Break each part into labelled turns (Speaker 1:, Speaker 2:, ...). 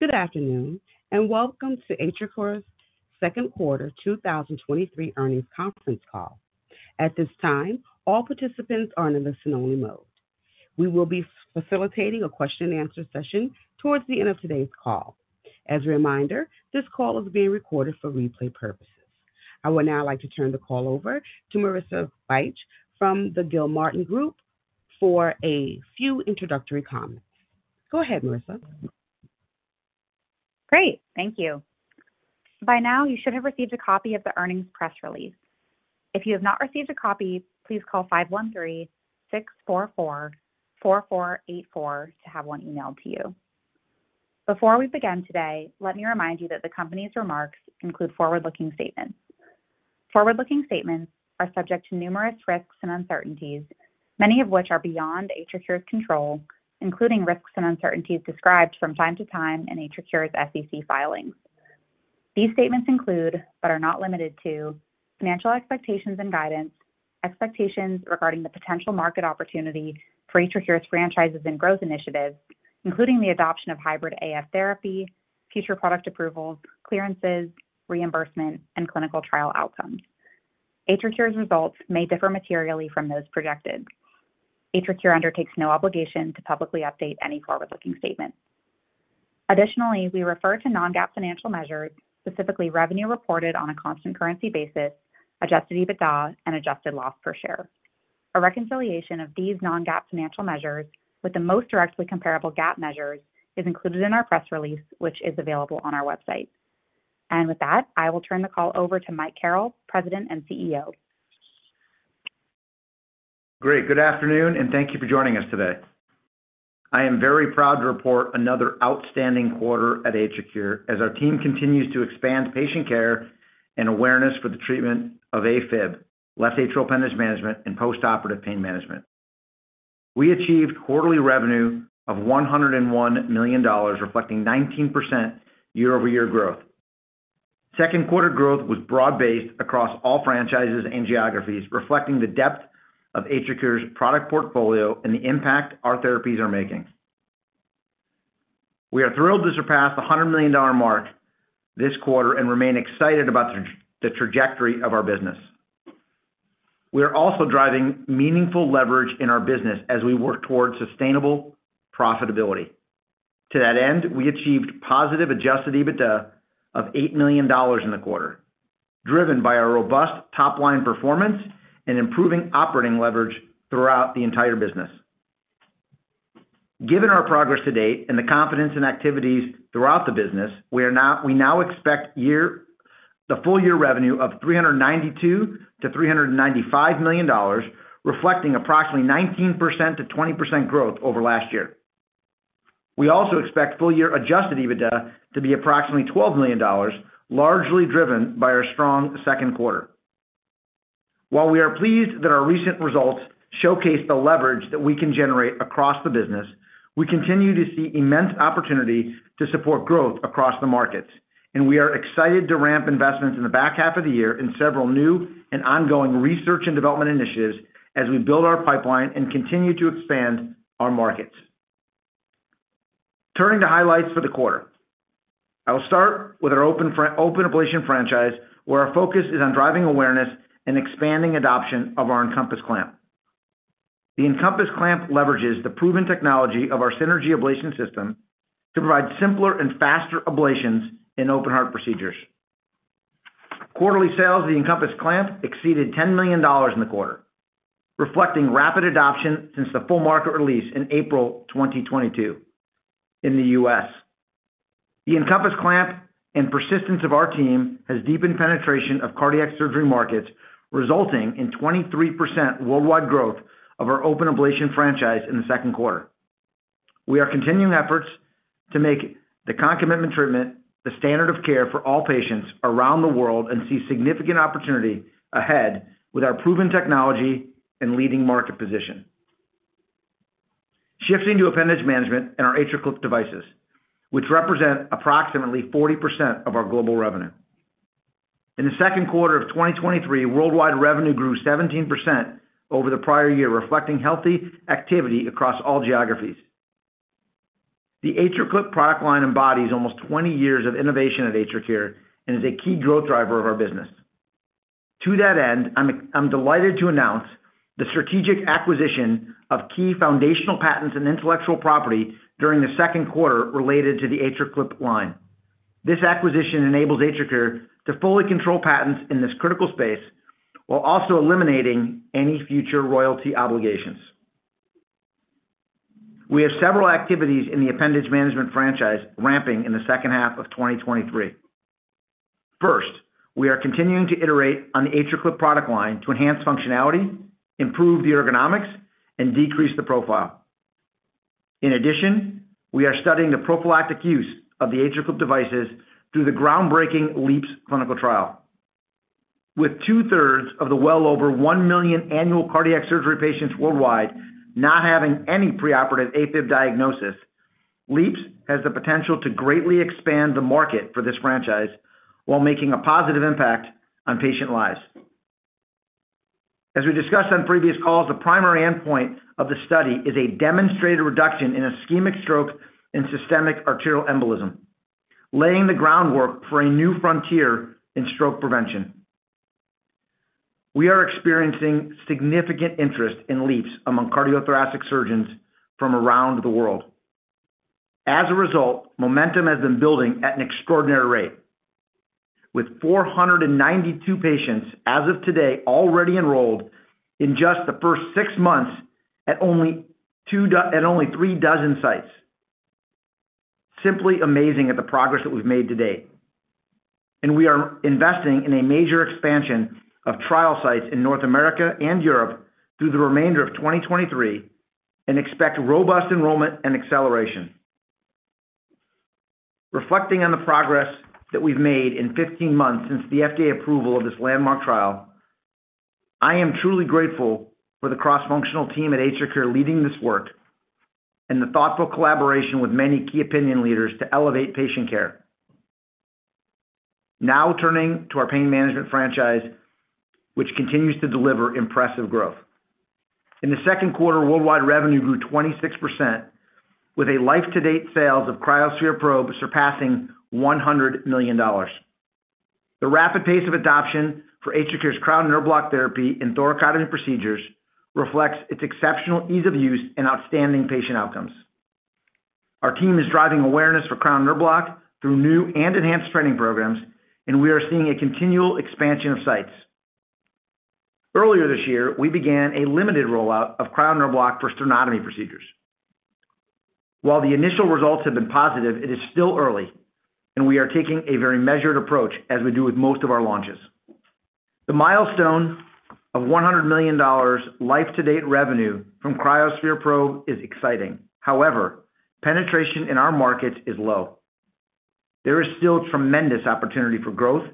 Speaker 1: Good afternoon, and welcome to AtriCure's Second Quarter 2023 Earnings Conference Call. At this time, all participants are in a listen-only mode. We will be facilitating a question-and-answer session towards the end of today's call. As a reminder, this call is being recorded for replay purposes. I would now like to turn the call over to Marissa Bych from the Gilmartin Group for a few introductory comments. Go ahead, Marissa.
Speaker 2: Great, thank you. By now, you should have received a copy of the earnings press release. If you have not received a copy, please call 513-644-4484 to have one emailed to you. Before we begin today, let me remind you that the company's remarks include forward-looking statements. Forward-looking statements are subject to numerous risks and uncertainties, many of which are beyond AtriCure's control, including risks and uncertainties described from time to time in AtriCure's SEC filings. These statements include, but are not limited to, financial expectations and guidance, expectations regarding the potential market opportunity for AtriCure's franchises and growth initiatives, including the adoption of Hybrid AF Therapy, future product approvals, clearances, reimbursement, and clinical trial outcomes. AtriCure's results may differ materially from those projected. AtriCure undertakes no obligation to publicly update any forward-looking statements. Additionally, we refer to non-GAAP financial measures, specifically revenue reported on a constant currency basis, adjusted EBITDA, and adjusted loss per share. A reconciliation of these non-GAAP financial measures with the most directly comparable GAAP measures is included in our press release, which is available on our website. With that, I will turn the call over to Mike Carrel, President and CEO.
Speaker 3: Great. Good afternoon, thank you for joining us today. I am very proud to report another outstanding quarter at AtriCure as our team continues to expand patient care and awareness for the treatment of AFib, left atrial appendage management, and postoperative pain management. We achieved quarterly revenue of $101 million, reflecting 19% year-over-year growth. Second quarter growth was broad-based across all franchises and geographies, reflecting the depth of AtriCure's product portfolio and the impact our therapies are making. We are thrilled to surpass the $100 million mark this quarter and remain excited about the trajectory of our business. We are also driving meaningful leverage in our business as we work towards sustainable profitability. To that end, we achieved positive adjusted EBITDA of $8 million in the quarter, driven by our robust top-line performance and improving operating leverage throughout the entire business. Given our progress to date and the confidence in activities throughout the business, we now expect the full-year revenue of $392 million-$395 million, reflecting approximately 19%-20% growth over last year. We also expect full-year adjusted EBITDA to be approximately $12 million, largely driven by our strong second quarter. While we are pleased that our recent results showcase the leverage that we can generate across the business, we continue to see immense opportunity to support growth across the markets, and we are excited to ramp investments in the back half of the year in several new and ongoing research and development initiatives as we build our pipeline and continue to expand our markets. Turning to highlights for the quarter. I will start with our open ablation franchise, where our focus is on driving awareness and expanding adoption of our EnCompass clamp. The EnCompass clamp leverages the proven technology of our Synergy ablation system to provide simpler and faster ablations in open heart procedures. Quarterly sales of the EnCompass clamp exceeded $10 million in the quarter, reflecting rapid adoption since the full market release in April 2022 in the U.S. The EnCompass clamp and persistence of our team has deepened penetration of cardiac surgery markets, resulting in 23% worldwide growth of our open ablation franchise in the second quarter. We are continuing efforts to make the concomitant treatment the standard of care for all patients around the world and see significant opportunity ahead with our proven technology and leading market position. Shifting to appendage management and our AtriClip devices, which represent approximately 40% of our global revenue. In the second quarter of 2023, worldwide revenue grew 17% over the prior year, reflecting healthy activity across all geographies. The AtriClip product line embodies almost 20 years of innovation at AtriCure and is a key growth driver of our business. To that end, I'm delighted to announce the strategic acquisition of key foundational patents and intellectual property during the second quarter related to the AtriClip line. This acquisition enables AtriCure to fully control patents in this critical space while also eliminating any future royalty obligations. We have several activities in the appendage management franchise ramping in the second half of 2023. First, we are continuing to iterate on the AtriClip product line to enhance functionality, improve the ergonomics, and decrease the profile. In addition, we are studying the prophylactic use of the AtriClip devices through the groundbreaking LEAPS clinical trial. With two-thirds of the well over 1 million annual cardiac surgery patients worldwide not having any preoperative AFib diagnosis, LEAPS has the potential to greatly expand the market for this franchise while making a positive impact on patient lives. We discussed on previous calls, the primary endpoint of the study is a demonstrated reduction in ischemic stroke and systemic arterial embolism, laying the groundwork for a new frontier in stroke prevention. We are experiencing significant interest in LEAPS among cardiothoracic surgeons from around the world. Momentum has been building at an extraordinary rate, with 492 patients as of today, already enrolled in just the first six months at only three dozen sites. Simply amazing at the progress that we've made to date. We are investing in a major expansion of trial sites in North America and Europe through the remainder of 2023, and expect robust enrollment and acceleration. Reflecting on the progress that we've made in 15 months since the FDA approval of this landmark trial, I am truly grateful for the cross-functional team at AtriCure leading this work, and the thoughtful collaboration with many key opinion leaders to elevate patient care. Turning to our pain management franchise, which continues to deliver impressive growth. In the second quarter, worldwide revenue grew 26%, with a life-to-date sales of cryoSPHERE Probe surpassing $100 million. The rapid pace of adoption for AtriCure's Cryo Nerve Block therapy in thoracotomy procedures reflects its exceptional ease of use and outstanding patient outcomes. Our team is driving awareness for Cryo Nerve Block through new and enhanced training programs, and we are seeing a continual expansion of sites. Earlier this year, we began a limited rollout of Cryo Nerve Block for sternotomy procedures. While the initial results have been positive, it is still early, and we are taking a very measured approach, as we do with most of our launches. The milestone of $100 million life-to-date revenue from cryoSPHERE Probe is exciting. However, penetration in our markets is low. There is still tremendous opportunity for growth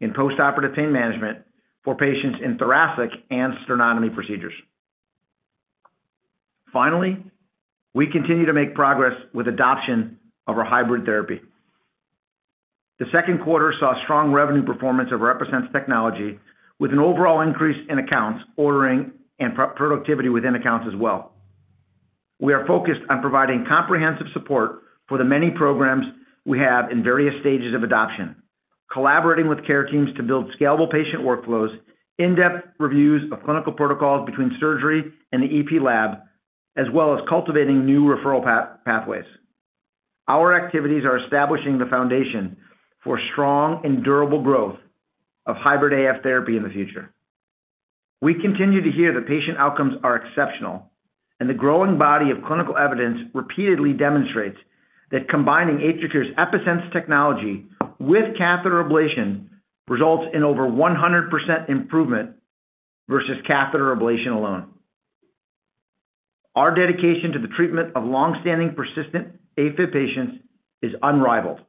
Speaker 3: in postoperative pain management for patients in thoracic and sternotomy procedures. Finally, we continue to make progress with adoption of our Hybrid AF Therapy. The second quarter saw strong revenue performance of our EPi-Sense technology, with an overall increase in accounts, ordering, and productivity within accounts as well. We are focused on providing comprehensive support for the many programs we have in various stages of adoption, collaborating with care teams to build scalable patient workflows, in-depth reviews of clinical protocols between surgery and the EP lab, as well as cultivating new referral pathways. Our activities are establishing the foundation for strong and durable growth of Hybrid AF Therapy in the future. We continue to hear the patient outcomes are exceptional, the growing body of clinical evidence repeatedly demonstrates that combining AtriCure's EPi-Sense technology with catheter ablation results in over 100% improvement versus catheter ablation alone. Our dedication to the treatment of long-standing persistent AFib patients is unrivaled,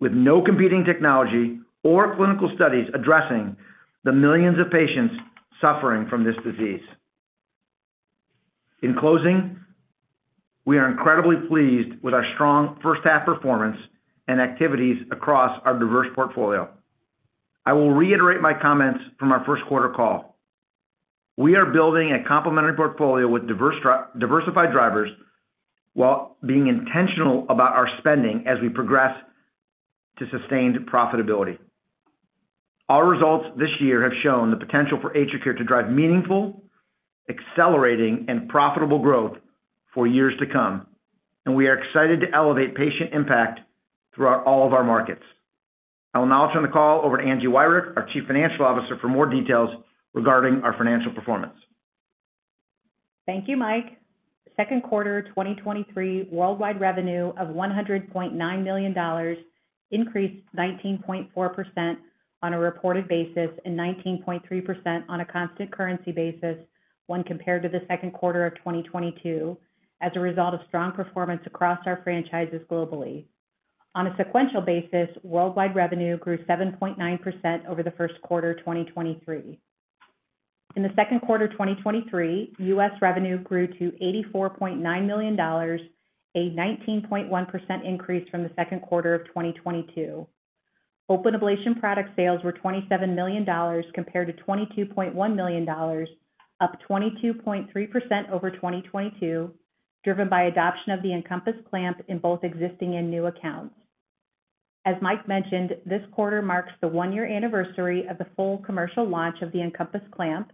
Speaker 3: with no competing technology or clinical studies addressing the millions of patients suffering from this disease. In closing, we are incredibly pleased with our strong first half performance and activities across our diverse portfolio. I will reiterate my comments from our first quarter call. We are building a complementary portfolio with diversified drivers, while being intentional about our spending as we progress to sustained profitability. Our results this year have shown the potential for AtriCure to drive meaningful, accelerating, and profitable growth for years to come. We are excited to elevate patient impact throughout all of our markets. I will now turn the call over to Angie Wirick, our Chief Financial Officer, for more details regarding our financial performance.
Speaker 4: Thank you, Mike. Second quarter 2023 worldwide revenue of $100.9 million increased 19.4% on a reported basis, and 19.3% on a constant currency basis when compared to the second quarter of 2022, as a result of strong performance across our franchises globally. On a sequential basis, worldwide revenue grew 7.9% over the first quarter, 2023. In the second quarter, 2023, U.S. revenue grew to $84.9 million, a 19.1% increase from the second quarter of 2022. Open ablation product sales were $27 million compared to $22.1 million, up 22.3% over 2022, driven by adoption of the EnCompass clamp in both existing and new accounts. As Mike mentioned, this quarter marks the one-year anniversary of the full commercial launch of the EnCompass clamp.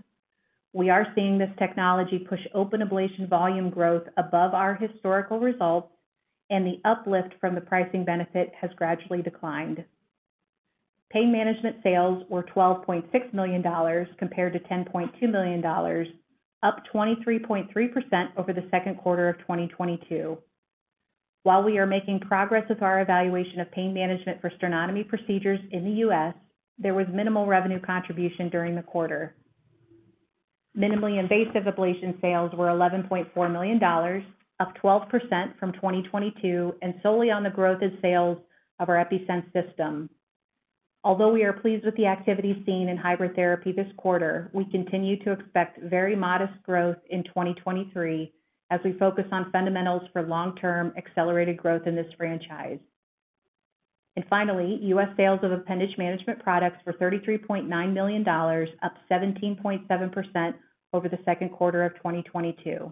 Speaker 4: We are seeing this technology push open ablation volume growth above our historical results, and the uplift from the pricing benefit has gradually declined. Pain management sales were $12.6 million, compared to $10.2 million, up 23.3% over the second quarter of 2022. While we are making progress with our evaluation of pain management for sternotomy procedures in the U.S., there was minimal revenue contribution during the quarter. Minimally invasive ablation sales were $11.4 million, up 12% from 2022, and solely on the growth of sales of our EPi-Sense system. Although we are pleased with the activity seen in Hybrid AF Therapy this quarter, we continue to expect very modest growth in 2023, as we focus on fundamentals for long-term accelerated growth in this franchise. Finally, U.S. sales of appendage management products were $33.9 million, up 17.7% over the second quarter of 2022.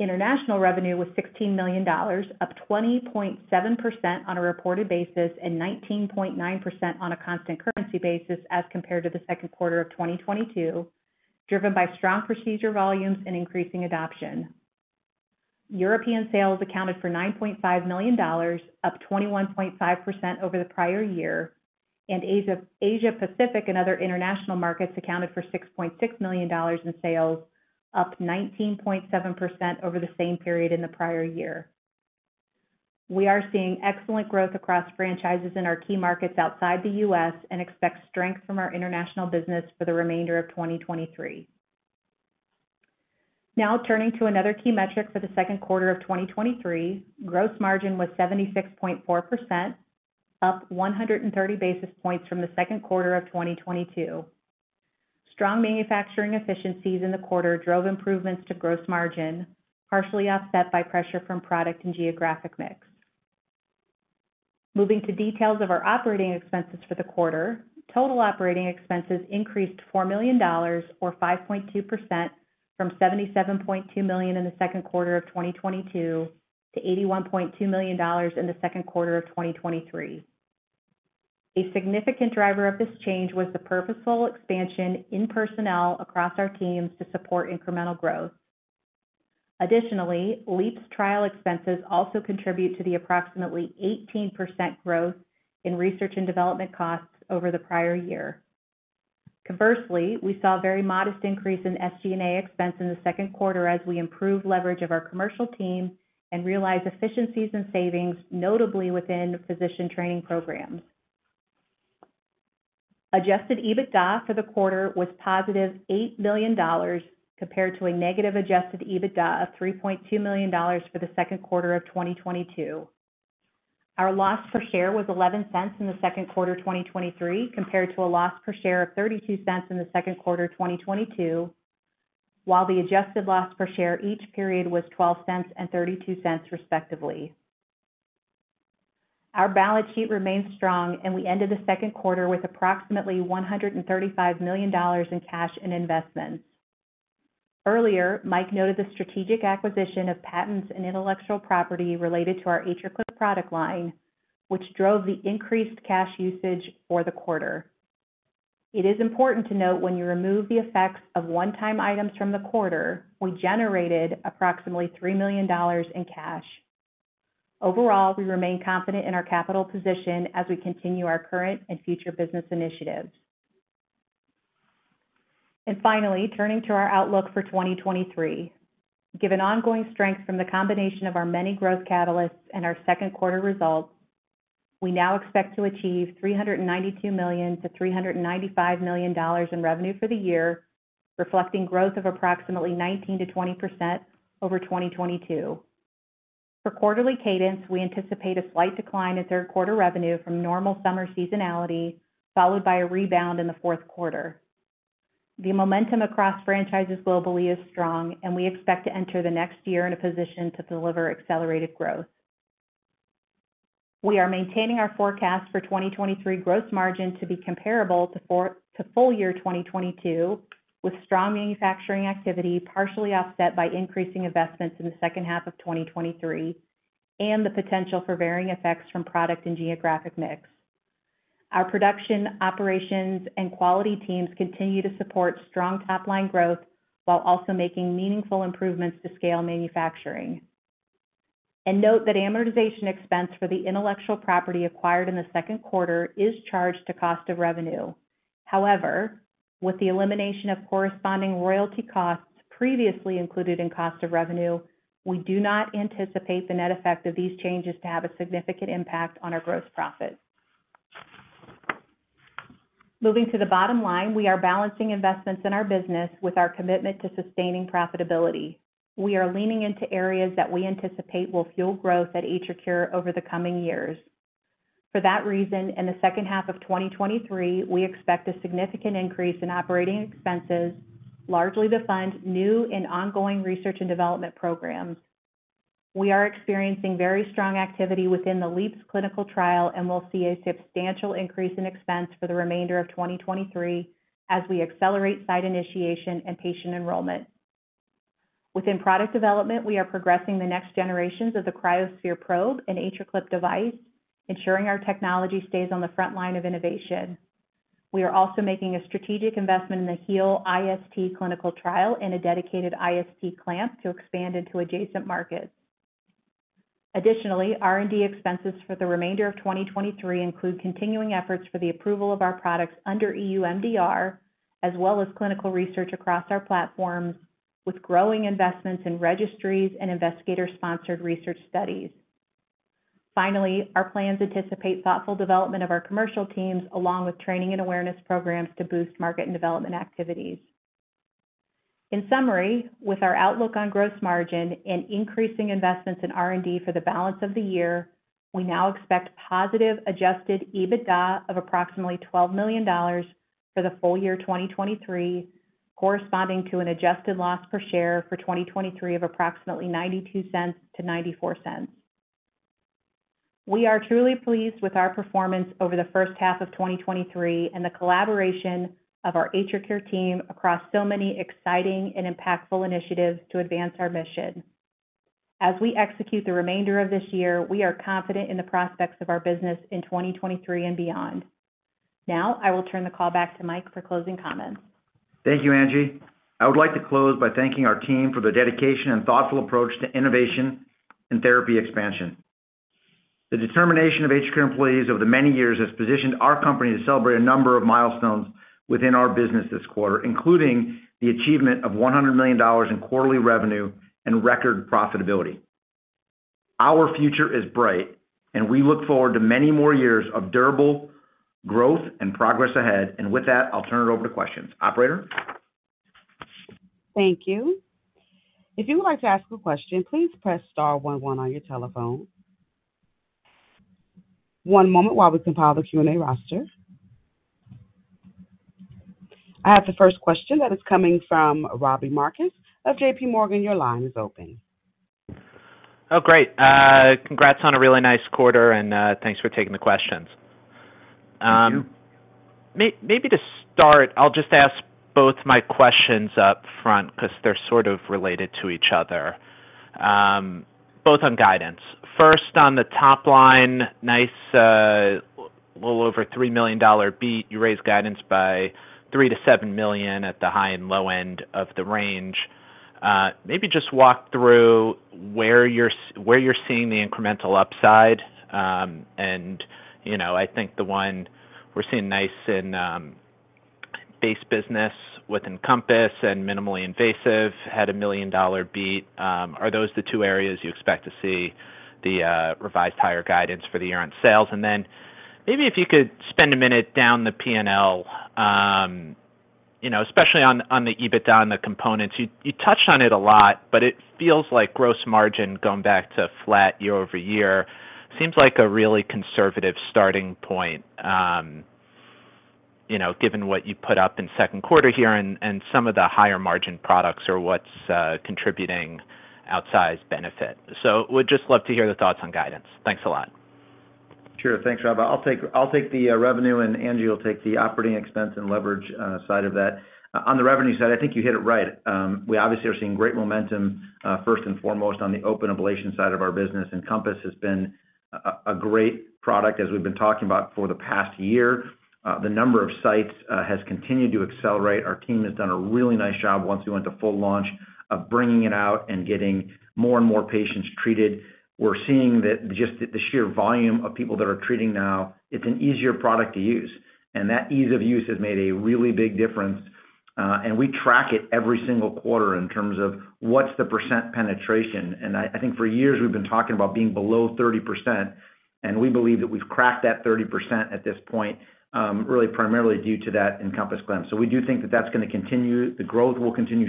Speaker 4: International revenue was $16 million, up 20.7% on a reported basis and 19.9% on a constant currency basis as compared to the second quarter of 2022, driven by strong procedure volumes and increasing adoption. European sales accounted for $9.5 million, up 21.5% over the prior year, and Asia Pacific and other international markets accounted for $6.6 million in sales, up 19.7% over the same period in the prior year. We are seeing excellent growth across franchises in our key markets outside the US and expect strength from our international business for the remainder of 2023. Now turning to another key metric for the second quarter of 2023. Gross margin was 76.4%, up 130 basis points from the second quarter of 2022. Strong manufacturing efficiencies in the quarter drove improvements to gross margin, partially offset by pressure from product and geographic mix. Moving to details of our operating expenses for the quarter. Total operating expenses increased $4 million or 5.2% from $77.2 million in the second quarter of 2022 to $81.2 million in the second quarter of 2023. A significant driver of this change was the purposeful expansion in personnel across our teams to support incremental growth. Additionally, LEAPS trial expenses also contribute to the approximately 18% growth in research and development costs over the prior year. Conversely, we saw a very modest increase in SG&A expense in the second quarter as we improved leverage of our commercial team and realized efficiencies and savings, notably within physician training programs. adjusted EBITDA for the quarter was positive $8 million, compared to a negative adjusted EBITDA of $3.2 million for the second quarter of 2022. Our loss per share was $0.11 in the second quarter of 2023, compared to a loss per share of $0.32 in the second quarter of 2022, while the adjusted loss per share each period was $0.12 and $0.32, respectively. Our balance sheet remains strong, and we ended the second quarter with approximately $135 million in cash and investments. Earlier, Mike noted the strategic acquisition of patents and intellectual property related to our AtriClip product line, which drove the increased cash usage for the quarter. It is important to note when you remove the effects of one-time items from the quarter, we generated approximately $3 million in cash. Overall, we remain confident in our capital position as we continue our current and future business initiatives. Finally, turning to our outlook for 2023. Given ongoing strength from the combination of our many growth catalysts and our second quarter results, we now expect to achieve $392 million-$395 million in revenue for the year, reflecting growth of approximately 19%-20% over 2022. For quarterly cadence, we anticipate a slight decline in third quarter revenue from normal summer seasonality, followed by a rebound in the fourth quarter. We expect to enter the next year in a position to deliver accelerated growth. We are maintaining our forecast for 2023 gross margin to be comparable to full year 2022, with strong manufacturing activity partially offset by increasing investments in the second half of 2023 and the potential for varying effects from product and geographic mix. Our production, operations and quality teams continue to support strong top-line growth while also making meaningful improvements to scale manufacturing. Note that amortization expense for the intellectual property acquired in the second quarter is charged to cost of revenue. With the elimination of corresponding royalty costs previously included in cost of revenue, we do not anticipate the net effect of these changes to have a significant impact on our gross profit. Moving to the bottom line, we are balancing investments in our business with our commitment to sustaining profitability. We are leaning into areas that we anticipate will fuel growth at AtriCure over the coming years. For that reason, in the second half of 2023, we expect a significant increase in operating expenses, largely to fund new and ongoing research and development programs. We are experiencing very strong activity within the LEAPS clinical trial and will see a substantial increase in expense for the remainder of 2023 as we accelerate site initiation and patient enrollment. Within product development, we are progressing the next generations of the cryoSPHERE Probe and AtriClip device, ensuring our technology stays on the front line of innovation. We are also making a strategic investment in the HEAL-IST clinical trial and a dedicated IST clamp to expand into adjacent markets. Additionally, R&D expenses for the remainder of 2023 include continuing efforts for the approval of our products under EU MDR, as well as clinical research across our platforms, with growing investments in registries and investigator-sponsored research studies. Finally, our plans anticipate thoughtful development of our commercial teams, along with training and awareness programs to boost market and development activities. In summary, with our outlook on gross margin and increasing investments in R&D for the balance of the year, we now expect positive adjusted EBITDA of approximately $12 million for the full year 2023. corresponding to an adjusted loss per share for 2023 of approximately $0.92-$0.94. We are truly pleased with our performance over the first half of 2023 and the collaboration of our AtriCure team across so many exciting and impactful initiatives to advance our mission. As we execute the remainder of this year, we are confident in the prospects of our business in 2023 and beyond. Now, I will turn the call back to Mike for closing comments.
Speaker 3: Thank you, Angie. I would like to close by thanking our team for their dedication and thoughtful approach to innovation and therapy expansion. The determination of AtriCure employees over the many years has positioned our company to celebrate a number of milestones within our business this quarter, including the achievement of $100 million in quarterly revenue and record profitability. Our future is bright, and we look forward to many more years of durable growth and progress ahead. With that, I'll turn it over to questions. Operator?
Speaker 1: Thank you. If you would like to ask a question, please press star one one on your telephone. One moment while we compile the Q&A roster. I have the first question that is coming from Robbie Marcus of J.P. Morgan. Your line is open.
Speaker 5: Great. Congrats on a really nice quarter. Thanks for taking the questions.
Speaker 3: Thank you.
Speaker 5: Maybe to start, I'll just ask both my questions up front because they're sort of related to each other, both on guidance. First, on the top line, nice, little over $3 million beat. You raised guidance by $3 million-$7 million at the high and low end of the range. Maybe just walk through where you're seeing the incremental upside. You know, I think the one we're seeing nice in base business with EnCompass and Minimally Invasive had a $1 million beat. Are those the two areas you expect to see the revised higher guidance for the year-end sales? Maybe if you could spend a minute down the P&L, you know, especially on the EBITDA and the components. You touched on it a lot. It feels like gross margin going back to flat year-over-year seems like a really conservative starting point, you know, given what you put up in second quarter here and some of the higher margin products are what's contributing outsized benefit. Would just love to hear the thoughts on guidance. Thanks a lot.
Speaker 3: Sure. Thanks, Rob. I'll take the revenue, Angie will take the operating expense and leverage side of that. On the revenue side, I think you hit it right. We obviously are seeing great momentum, first and foremost, on the open ablation side of our business. EnCompass has been a great product, as we've been talking about for the past year. The number of sites has continued to accelerate. Our team has done a really nice job once we went to full launch of bringing it out and getting more and more patients treated. We're seeing that just the sheer volume of people that are treating now, it's an easier product to use, and that ease of use has made a really big difference. We track it every single quarter in terms of what's the % penetration. I think for years, we've been talking about being below 30%, and we believe that we've cracked that 30% at this point, really primarily due to that EnCompass clamp. We do think that that's gonna continue. The growth will continue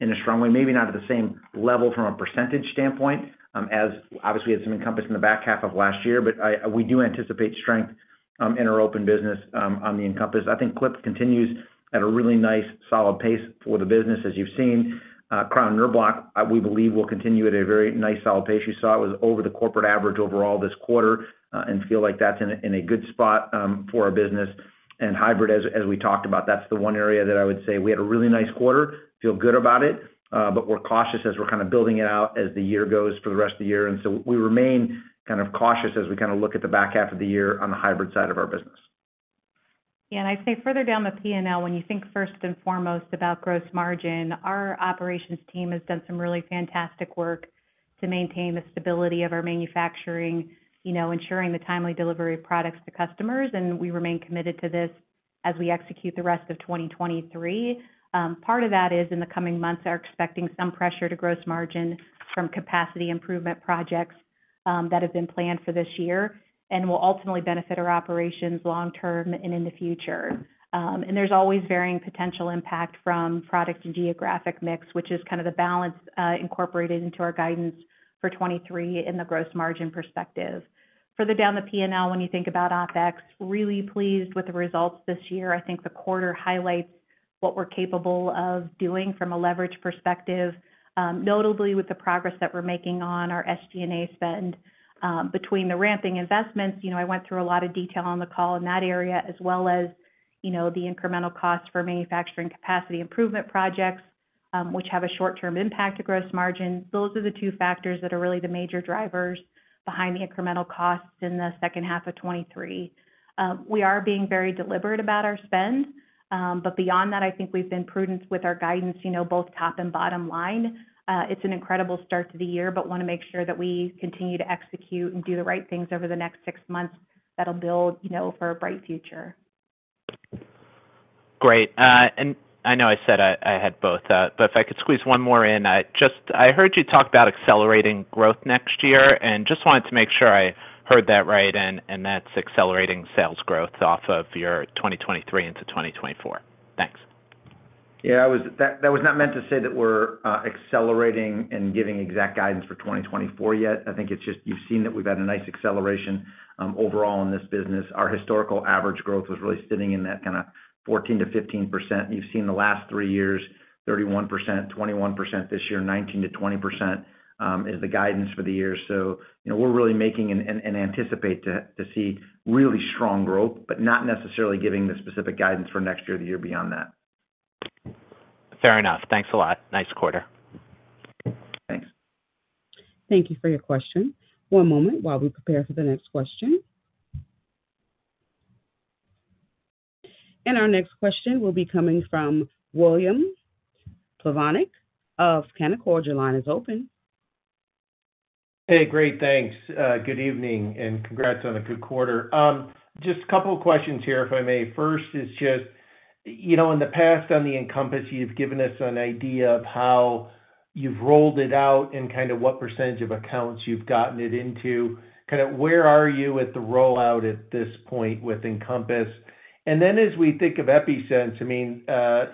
Speaker 3: in a strong way, maybe not at the same level from a percentage standpoint, as obviously as some EnCompass in the back half of last year, but we do anticipate strength in our open business on the EnCompass. I think Clip continues at a really nice, solid pace for the business. As you've seen, Crown and cryoNB, we believe, will continue at a very nice, solid pace. You saw it was over the corporate average overall this quarter, and feel like that's in a good spot for our business. Hybrid, as we talked about, that's the one area that I would say we had a really nice quarter, feel good about it, but we're cautious as we're kind of building it out as the year goes for the rest of the year. We remain kind of cautious as we kind of look at the back half of the year on the Hybrid side of our business.
Speaker 4: Yeah, I'd say further down the P&L, when you think first and foremost about gross margin, our operations team has done some really fantastic work to maintain the stability of our manufacturing, you know, ensuring the timely delivery of products to customers, and we remain committed to this as we execute the rest of 2023. Part of that is in the coming months, are expecting some pressure to gross margin from capacity improvement projects that have been planned for this year and will ultimately benefit our operations long term and in the future. And there's always varying potential impact from product and geographic mix, which is kind of the balance incorporated into our guidance for 2023 in the gross margin perspective. Further down the P&L, when you think about OpEx, really pleased with the results this year. I think the quarter highlights what we're capable of doing from a leverage perspective, notably with the progress that we're making on our SG&A spend, between the ramping investments. You know, I went through a lot of detail on the call in that area, as well as, you know, the incremental cost for manufacturing capacity improvement projects, which have a short-term impact to gross margin. Those are the two factors that are really the major drivers behind the incremental costs in the second half of 2023. We are being very deliberate about our spend, beyond that, I think we've been prudent with our guidance, you know, both top and bottom line. It's an incredible start to the year, but want to make sure that we continue to execute and do the right things over the next six months that'll build, you know, for a bright future.
Speaker 5: Great. I know I said I had both, but if I could squeeze one more in. I heard you talk about accelerating growth next year, and just wanted to make sure I heard that right, and that's accelerating sales growth off of your 2023 into 2024. Thanks.
Speaker 3: Yeah, I was, that was not meant to say that we're accelerating and giving exact guidance for 2024 yet. I think it's just you've seen that we've had a nice acceleration overall in this business. Our historical average growth was really sitting in that kind of 14%-15%. You've seen the last three years, 31%, 21% this year, 19%-20%, is the guidance for the year. You know, we're really making and anticipate to see really strong growth, but not necessarily giving the specific guidance for next year or the year beyond that.
Speaker 5: Fair enough. Thanks a lot. Nice quarter.
Speaker 3: Thanks.
Speaker 1: Thank you for your question. One moment while we prepare for the next question. Our next question will be coming from William Plovanic of Canaccord. Your line is open.
Speaker 6: Hey, great. Thanks, good evening, and congrats on a good quarter. Just a couple of questions here, if I may. First is just, you know, in the past, on the EnCompass, you've given us an idea of how you've rolled it out and kind of what % of accounts you've gotten it into. Kind of where are you with the rollout at this point with EnCompass? As we think of EPi-Sense, I mean,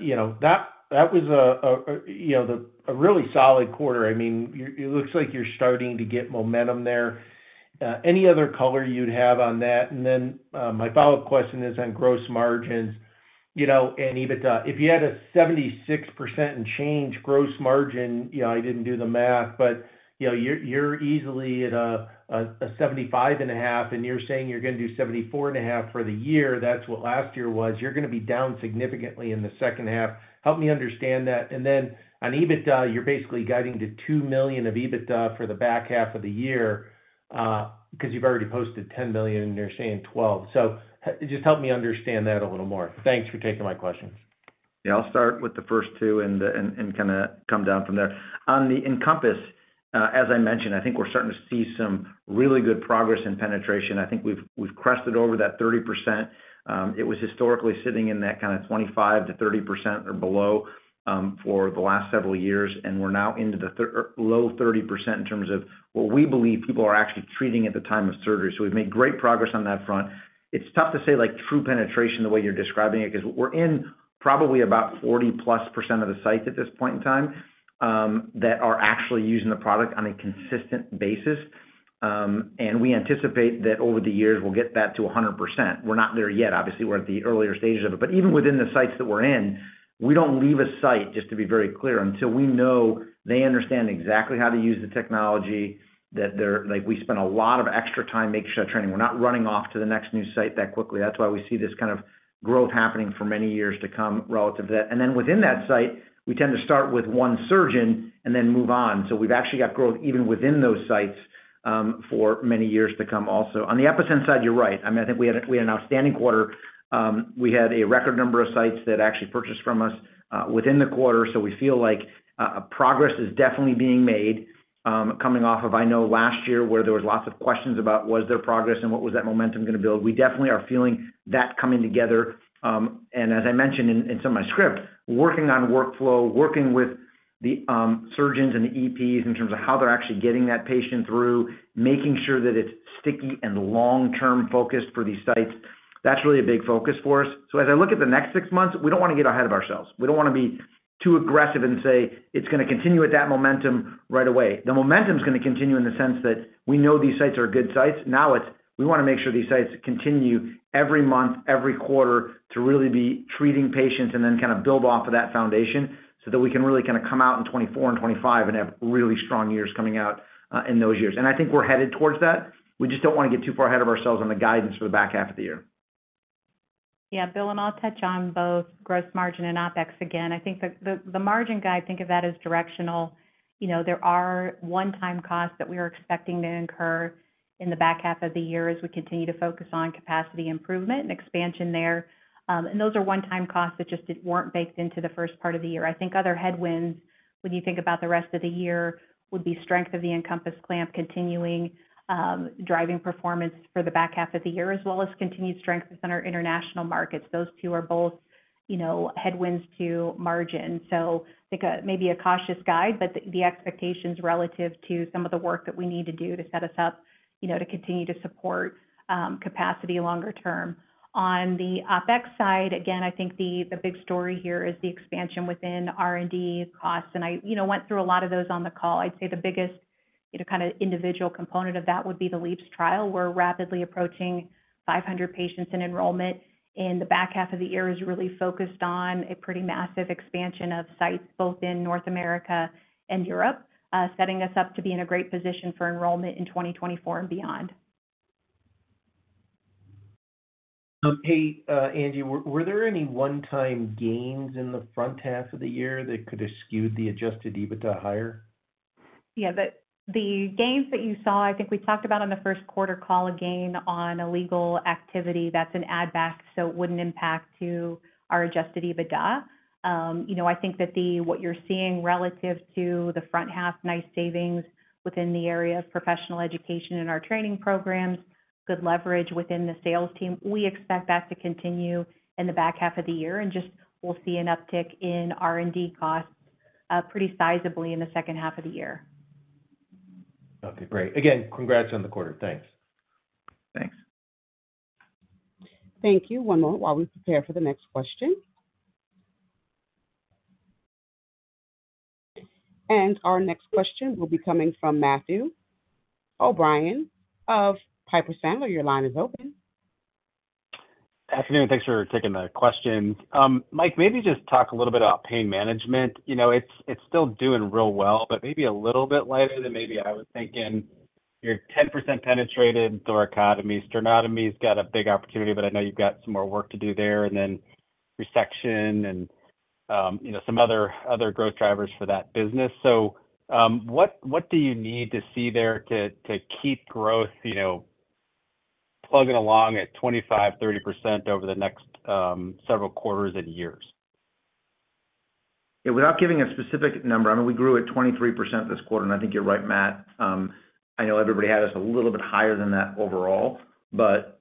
Speaker 6: you know, that was a, you know, a really solid quarter. I mean, it looks like you're starting to get momentum there. Any other color you'd have on that? My follow-up question is on gross margins, you know, and EBITDA. If you had a 76% and change gross margin, you know, I didn't do the math, but, you know, you're easily at a 75.5%, and you're saying you're going to do 74.5% for the year. That's what last year was. You're going to be down significantly in the second half. Help me understand that. On EBITDA, you're basically guiding to $2 million of EBITDA for the back half of the year, because you've already posted $10 million, and you're saying $12 million. Just help me understand that a little more. Thanks for taking my questions.
Speaker 3: Yeah, I'll start with the first two and kind of come down from there. On the EnCompass, as I mentioned, I think we're starting to see some really good progress in penetration. I think we've crested over that 30%. It was historically sitting in that kind of 25%-30% or below, for the last several years, and we're now into the low 30% in terms of what we believe people are actually treating at the time of surgery. We've made great progress on that front. It's tough to say, like, true penetration, the way you're describing it, because we're in probably about 40%-plus of the sites at this point in time, that are actually using the product on a consistent basis. We anticipate that over the years, we'll get that to a 100%. We're not there yet. Obviously, we're at the earlier stages of it. Even within the sites that we're in, we don't leave a site, just to be very clear, until we know they understand exactly how to use the technology. Like, we spend a lot of extra time making sure training. We're not running off to the next new site that quickly. That's why we see this kind of growth happening for many years to come relative to that. Within that site, we tend to start with 1 surgeon and then move on. We've actually got growth even within those sites, for many years to come also. On the EPi-Sense side, you're right. I mean, I think we had an outstanding quarter. We had a record number of sites that actually purchased from us within the quarter. We feel like progress is definitely being made, coming off of, I know, last year, where there was lots of questions about was there progress and what was that momentum going to build? We definitely are feeling that coming together. As I mentioned in some of my script, working on workflow, working with the surgeons and the EPs in terms of how they're actually getting that patient through, making sure that it's sticky and long-term focused for these sites, that's really a big focus for us. As I look at the next 6 months, we don't want to get ahead of ourselves. We don't want to be too aggressive and say it's going to continue at that momentum right away. The momentum is going to continue in the sense that we know these sites are good sites. We want to make sure these sites continue every month, every quarter, to really be treating patients and then kind of build off of that foundation so that we can really kind of come out in 2024 and 2025 and have really strong years coming out in those years. I think we're headed towards that. We just don't want to get too far ahead of ourselves on the guidance for the back half of the year.
Speaker 4: Yeah, Will, I'll touch on both gross margin and OpEx again. I think the margin guide, think of that as directional. You know, there are one-time costs that we are expecting to incur in the back half of the year as we continue to focus on capacity improvement and expansion there. Those are one-time costs that just weren't baked into the first part of the year. I think other headwinds, when you think about the rest of the year, would be strength of the EnCompass clamp, continuing driving performance for the back half of the year, as well as continued strength within our international markets. Those two are both, you know, headwinds to margin. I think maybe a cautious guide, but the expectations relative to some of the work that we need to do to set us up, you know, to continue to support capacity longer term. On the OpEx side, again, I think the big story here is the expansion within R&D costs, and I, you know, went through a lot of those on the call. I'd say the biggest, you know, kind of individual component of that would be the LEAPS trial. We're rapidly approaching 500 patients in enrollment, and the back half of the year is really focused on a pretty massive expansion of sites both in North America and Europe, setting us up to be in a great position for enrollment in 2024 and beyond.
Speaker 6: Hey, Angie, were there any one-time gains in the front half of the year that could have skewed the adjusted EBITDA higher?
Speaker 4: The, the gains that you saw, I think we talked about on the 1st quarter call, a gain on a legal activity, that's an add back, so it wouldn't impact to our adjusted EBITDA. You know, I think that what you're seeing relative to the front half, nice savings within the area of professional education and our training programs, good leverage within the sales team. We expect that to continue in the back half of the year, just we'll see an uptick in R&D costs, pretty sizably in the 2nd half of the year.
Speaker 6: Okay, great. Again, congrats on the quarter. Thanks.
Speaker 3: Thanks.
Speaker 1: Thank you. One moment while we prepare for the next question. Our next question will be coming from Matthew O'Brien of Piper Sandler. Your line is open.
Speaker 7: Good afternoon. Thanks for taking the question. Mike, maybe just talk a little bit about pain management. You know, it's still doing real well, but maybe a little bit lighter than maybe I was thinking. You're 10% penetrated thoracotomy. Sternotomy's got a big opportunity, but I know you've got some more work to do there, and then resection and, you know, some other growth drivers for that business. What you need to see there to keep growth, you know, plugging along at 25%-30% over the next several quarters and years?
Speaker 3: Yeah, without giving a specific number, I mean, we grew at 23% this quarter, and I think you're right, Matt. I know everybody had us a little bit higher than that overall, but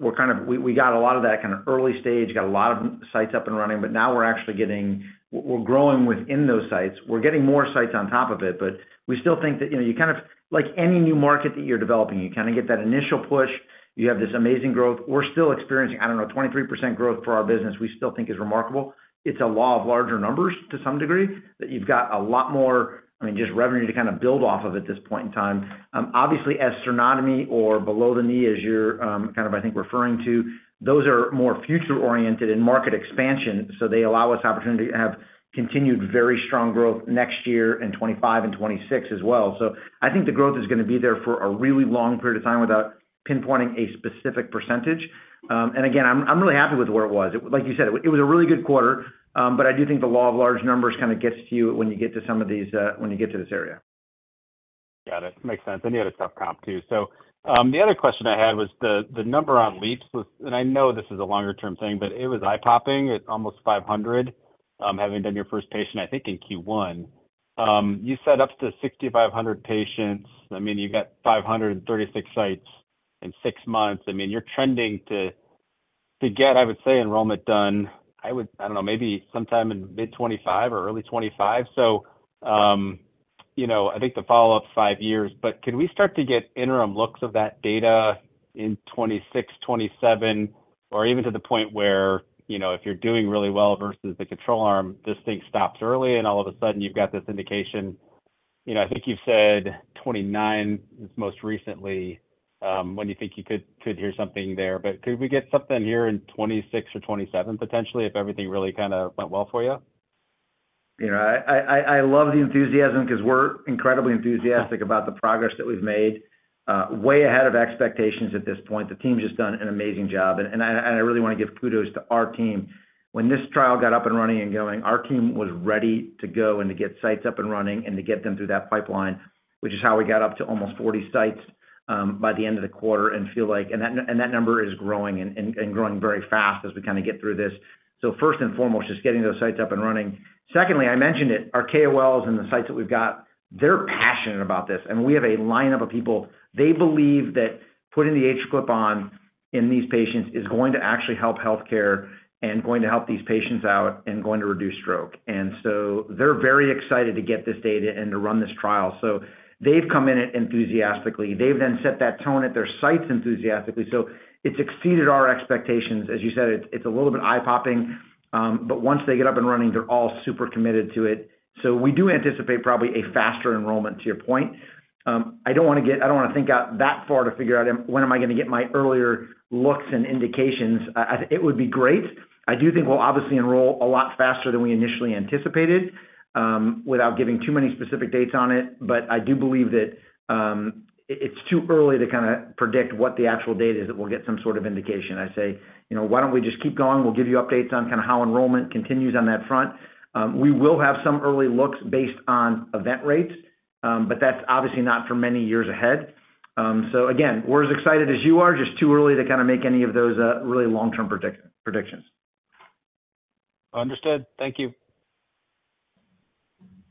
Speaker 3: we're kind of, we got a lot of that kind of early stage, got a lot of sites up and running, but now we're actually getting, we're growing within those sites. We're getting more sites on top of it, but we still think that, you know, you kind of, like, any new market that you're developing, you kind of get that initial push. You have this amazing growth. We're still experiencing, I don't know, 23% growth for our business, we still think is remarkable. It's a law of larger numbers to some degree, that you've got a lot more, I mean, just revenue to kind of build off of at this point in time. Obviously, as sternotomy or below the knee, as you're, kind of, I think, referring to, those are more future-oriented in market expansion, so they allow us the opportunity to have continued very strong growth next year and 25 and 26 as well. I think the growth is going to be there for a really long period of time, without pinpointing a specific percentage. Again, I'm really happy with where it was. Like you said, it was a really good quarter, but I do think the law of large numbers kind of gets to you when you get to some of these, when you get to this area.
Speaker 7: Got it. Makes sense. You had a tough comp, too. The other question I had was the number on LEAPS, and I know this is a longer-term thing, but it was eye-popping at almost 500, having done your first patient, I think, in Q1. You set up to 6,500 patients. You got 536 sites in six months. You're trending to get, I would say, enrollment done, I don't know, maybe sometime in mid 2025 or early 2025. You know, I think the follow-up's five years, but can we start to get interim looks of that data in 2026, 2027, or even to the point where, you know, if you're doing really well versus the control arm, this thing stops early, and all of a sudden you've got this indication? You know, I think you've said 2029 most recently, when you think you could hear something there. Could we get something here in 2026 or 2027, potentially, if everything really kind of went well for you?
Speaker 3: You know, I love the enthusiasm because we're incredibly enthusiastic about the progress that we've made, way ahead of expectations at this point. The team's just done an amazing job, and I really want to give kudos to our team. When this trial got up and running and going, our team was ready to go and to get sites up and running and to get them through that pipeline, which is how we got up to almost 40 sites by the end of the quarter, and feel like and that number is growing and growing very fast as we kind of get through this. First and foremost, just getting those sites up and running. Secondly, I mentioned it, our KOLs and the sites that we've got, they're passionate about this, and we have a lineup of people. They believe that putting the AtriClip on in these patients is going to actually help healthcare and going to help these patients out and going to reduce stroke. They're very excited to get this data and to run this trial. They've come in it enthusiastically. They've set that tone at their sites enthusiastically, so it's exceeded our expectations. As you said, it's a little bit eye-popping, once they get up and running, they're all super committed to it. We do anticipate probably a faster enrollment, to your point. I don't want to think out that far to figure out when am I going to get my earlier looks and indications. It would be great. I do think we'll obviously enroll a lot faster than we initially anticipated, without giving too many specific dates on it. I do believe that it's too early to kind of predict what the actual date is, that we'll get some sort of indication. I say, you know, why don't we just keep going? We'll give you updates on kind of how enrollment continues on that front. We will have some early looks based on event rates, but that's obviously not for many years ahead. Again, we're as excited as you are, just too early to kind of make any of those really long-term predictions.
Speaker 7: Understood. Thank you.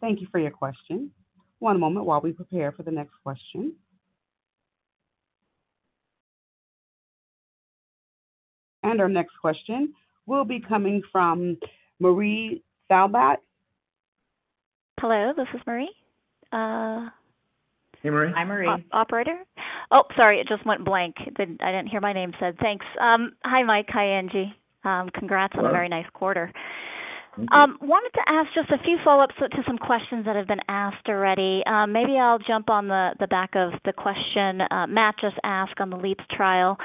Speaker 1: Thank you for your question. One moment while we prepare for the next question. Our next question will be coming from Marie Thibault.
Speaker 8: Hello, this is Marie.
Speaker 3: Hey, Marie.
Speaker 1: Hi, Marie.
Speaker 8: Operator? Sorry, it just went blank. I didn't hear my name said. Thanks. Hi, Mike. Hi, Angie. Congrats on a very nice quarter.
Speaker 3: Thank you.
Speaker 8: Wanted to ask just a few follow-ups to some questions that have been asked already. Maybe I'll jump on the back of the question Matt just asked on the LEAPS trial.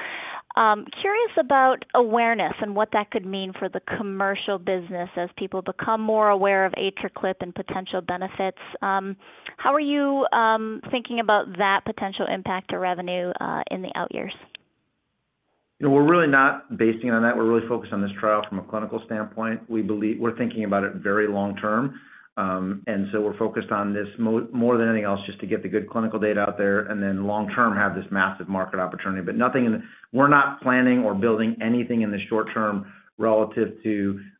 Speaker 8: Curious about awareness and what that could mean for the commercial business as people become more aware of AtriClip and potential benefits. How are you thinking about that potential impact to revenue in the out years?
Speaker 3: You know, we're really not basing on that. We're really focused on this trial from a clinical standpoint. We believe - we're thinking about it very long term, and so we're focused on this more than anything else, just to get the good clinical data out there, and then long term, have this massive market opportunity. We're not planning or building anything in the short term relative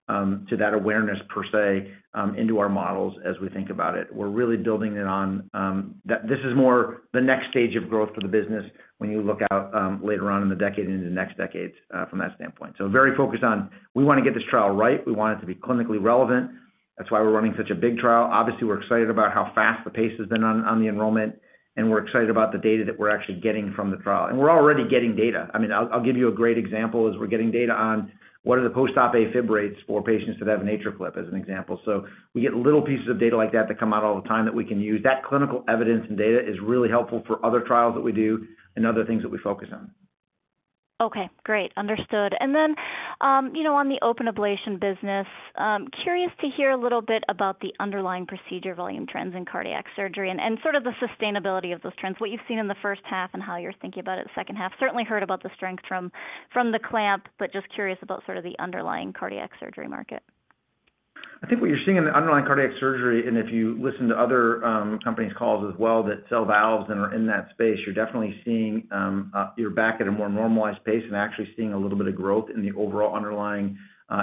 Speaker 3: to that awareness per se, into our models as we think about it. We're really building it on. That this is more the next stage of growth for the business when you look out later on in the decade and into the next decades from that standpoint. Very focused on, we want to get this trial right. We want it to be clinically relevant. That's why we're running such a big trial. Obviously, we're excited about how fast the pace has been on the enrollment, we're excited about the data that we're actually getting from the trial. We're already getting data. I mean, I'll give you a great example, as we're getting data on what are the post-op Afib rates for patients that have AtriClip, as an example. We get little pieces of data like that come out all the time that we can use. That clinical evidence and data is really helpful for other trials that we do and other things that we focus on.
Speaker 8: Okay, great. Understood. Then, you know, on the open ablation business, curious to hear a little bit about the underlying procedure volume trends in cardiac surgery and sort of the sustainability of those trends, what you've seen in the first half and how you're thinking about it in the second half. Certainly heard about the strength from the clamp, just curious about sort of the underlying cardiac surgery market.
Speaker 3: I think what you're seeing in the underlying cardiac surgery, and if you listen to other, companies' calls as well, that sell valves and are in that space, you're definitely seeing, you're back at a more normalized pace and actually seeing a little bit of growth in the overall underlying,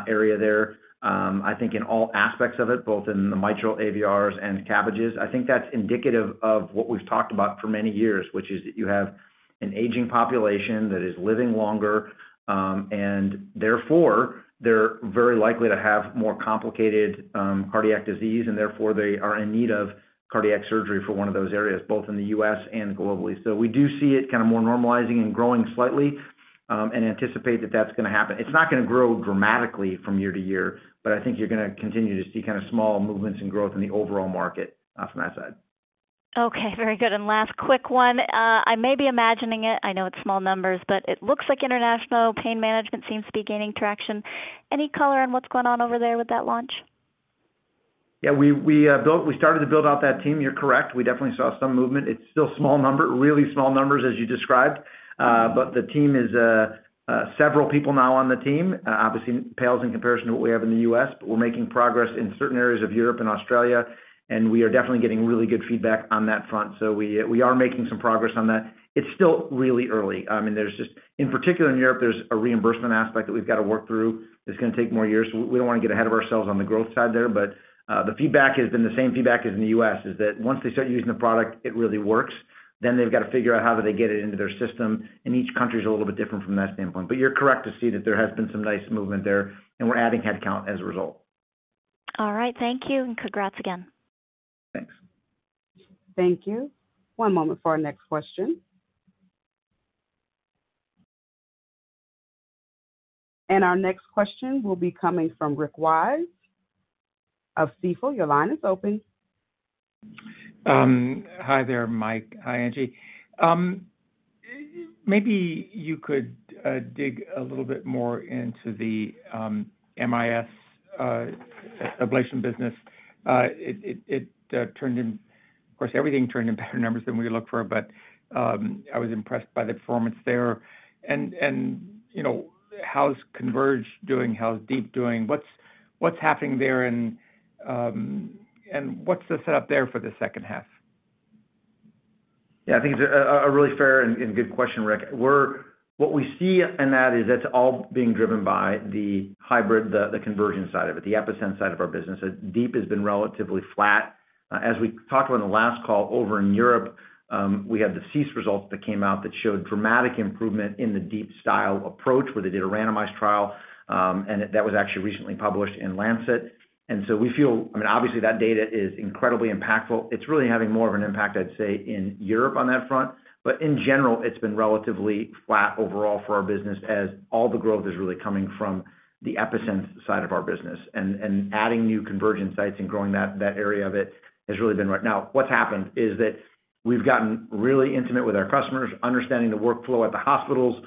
Speaker 3: area there. I think in all aspects of it, both in the mitral AVRs and CABGs. I think that's indicative of what we've talked about for many years, which is that you have an aging population that is living longer, and therefore, they're very likely to have more complicated, cardiac disease, and therefore, they are in need of cardiac surgery for one of those areas, both in the U.S. and globally. We do see it kind of more normalizing and growing slightly, and anticipate that that's going to happen. It's not going to grow dramatically from year to year, but I think you're going to continue to see kind of small movements and growth in the overall market, from that side.
Speaker 8: Okay, very good. Last quick one. I may be imagining it. I know it's small numbers, but it looks like international pain management seems to be gaining traction. Any color on what's going on over there with that launch?
Speaker 3: Yeah, we started to build out that team. You're correct. We definitely saw some movement. It's still really small numbers as you described. The team is several people now on the team. Obviously, pales in comparison to what we have in the U.S., but we're making progress in certain areas of Europe and Australia, and we are definitely getting really good feedback on that front. We are making some progress on that. It's still really early. I mean, there's just... In particular, in Europe, there's a reimbursement aspect that we've got to work through. It's going to take more years. We don't want to get ahead of ourselves on the growth side there, the feedback has been the same feedback as in the U.S., is that once they start using the product, it really works. They've got to figure out how do they get it into their system, and each country is a little bit different from that standpoint. You're correct to see that there has been some nice movement there, and we're adding headcount as a result.
Speaker 8: All right, thank you, and congrats again.
Speaker 3: Thanks.
Speaker 1: Thank you. One moment for our next question. Our next question will be coming from Rick Wise of Stifel. Your line is open.
Speaker 9: Hi there, Mike. Hi, Angie. Maybe you could dig a little bit more into the MIS ablation business. It turned in better numbers than we looked for, but I was impressed by the performance there. You know, how's CONVERGE doing? How's DEEP doing? What's happening there, and what's the setup there for the second half?
Speaker 3: Yeah, I think it's a really fair and good question, Rick. What we see in that is it's all being driven by the hybrid, the conversion side of it, the EPi-Sense side of our business. DEEP has been relatively flat. As we talked about in the last call over in Europe, we had the CEASE results that came out that showed dramatic improvement in the DEEP style approach, where they did a randomized trial, and that was actually recently published in Lancet. We feel, I mean, obviously, that data is incredibly impactful. It's really having more of an impact, I'd say, in Europe on that front. In general, it's been relatively flat overall for our business, as all the growth is really coming from the EPi-Sense side of our business. Adding new conversion sites and growing that area of it has really been. Right now, what's happened is that we've gotten really intimate with our customers, understanding the workflow at the hospitals.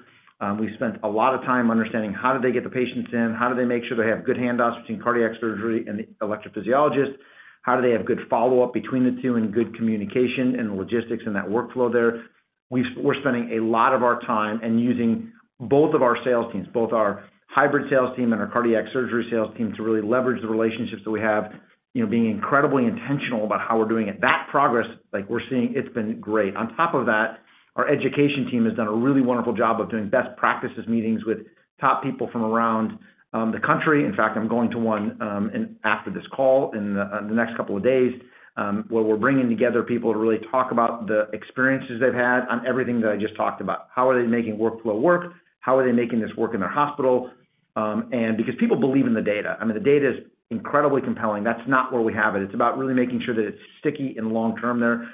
Speaker 3: We've spent a lot of time understanding how do they get the patients in? How do they make sure they have good handoffs between cardiac surgery and the electrophysiologist? How do they have good follow-up between the two and good communication and the logistics and that workflow there? We're spending a lot of our time and using both of our sales teams, both our hybrid sales team and our cardiac surgery sales team, to really leverage the relationships that we have, you know, being incredibly intentional about how we're doing it. That progress, like we're seeing, it's been great. On top of that, our education team has done a really wonderful job of doing best practices meetings with top people from around the country. In fact, I'm going to one, and after this call, in the next couple of days, where we're bringing together people to really talk about the experiences they've had on everything that I just talked about. How are they making workflow work? How are they making this work in their hospital? Because people believe in the data, I mean, the data is incredibly compelling. That's not where we have it. It's about really making sure that it's sticky and long-term there.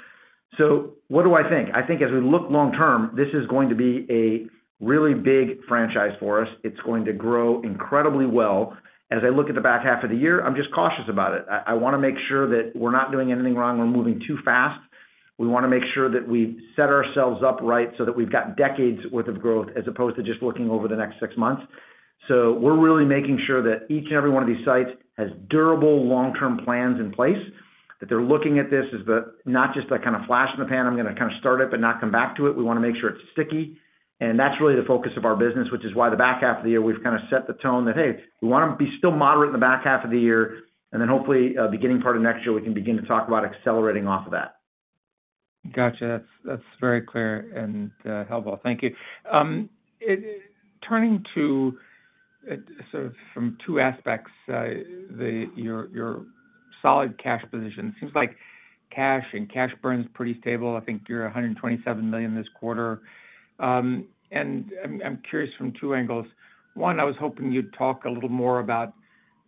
Speaker 3: What do I think? I think as we look long-term, this is going to be a really big franchise for us. It's going to grow incredibly well. As I look at the back half of the year, I want to make sure that we're not doing anything wrong or moving too fast. We want to make sure that we set ourselves up right so that we've got decades worth of growth, as opposed to just looking over the next six months. We're really making sure that each and every one of these sites has durable, long-term plans in place, that they're looking at this as the, not just the kind of flash in the pan, I'm going to kind of start it but not come back to it. We want to make sure it's sticky, and that's really the focus of our business, which is why the back half of the year, we've kind of set the tone that, hey, we want to be still moderate in the back half of the year, and then hopefully, beginning part of next year, we can begin to talk about accelerating off of that.
Speaker 9: Gotcha. That's very clear and helpful. Thank you. Turning to sort of from two aspects, your solid cash position, cash and cash burn is pretty stable. I think you're $127 million this quarter. I'm curious from two angles. One, I was hoping you'd talk a little more about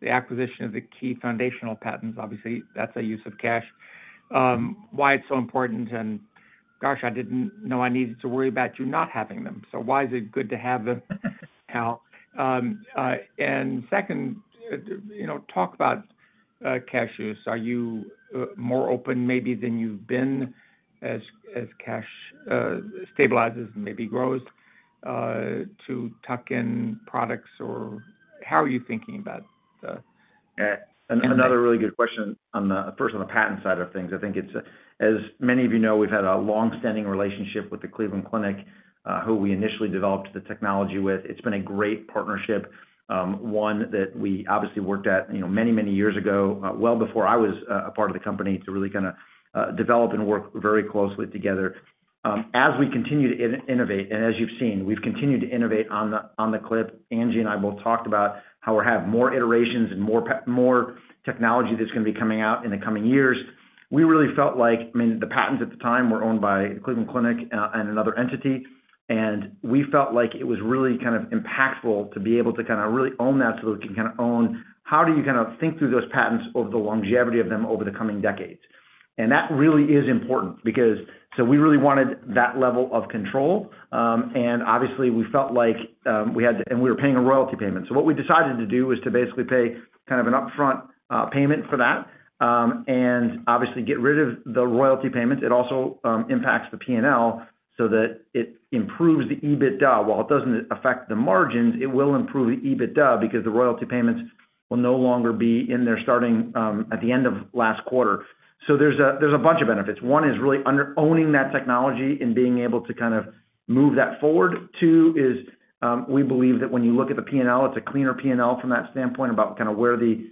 Speaker 9: the acquisition of the key foundational patents. Obviously, that's a use of cash. Why it's so important, and gosh, I didn't know I needed to worry about you not having them. Why is it good to have them now? Second, you know, talk about cash use. Are you more open maybe than you've been as cash stabilizes and maybe grows to tuck in products, or how are you thinking about the?
Speaker 3: Another really good question on the patent side of things, I think it's, as many of you know, we've had a long-standing relationship with the Cleveland Clinic, who we initially developed the technology with. It's been a great partnership, one that we obviously worked at, you know, many, many years ago, well before I was a part of the company, to really kind of, develop and work very closely together. As we continue to innovate, and as you've seen, we've continued to innovate on the clip. Angie and I both talked about how we have more iterations and more technology that's going to be coming out in the coming years. We really felt like, I mean, the patents at the time were owned by Cleveland Clinic and another entity, and we felt like it was really kind of impactful to be able to kind of really own that, so that we can kind of own how do you kind of think through those patents over the longevity of them over the coming decades? That really is important because. We really wanted that level of control, and obviously, we felt like we were paying a royalty payment. What we decided to do was to basically pay kind of an upfront payment for that, and obviously get rid of the royalty payment. It also impacts the P&L so that it improves the EBITDA. While it doesn't affect the margins, it will improve the EBITDA because the royalty payments will no longer be in there, starting at the end of last quarter. There's a bunch of benefits. One is really under- owning that technology and being able to kind of move that forward. Two is, we believe that when you look at the P&L, it's a cleaner P&L from that standpoint about kind of where the